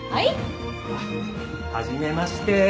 あっはじめまして。